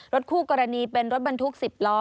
คู่กรณีเป็นรถบรรทุก๑๐ล้อ